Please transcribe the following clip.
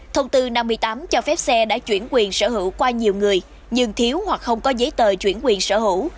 thông tư năm mươi tám cho phép xe đã chuyển quyền sở hữu qua nhiều người nhưng thiếu hoặc không có giấy tờ chuyển quyền sở hữu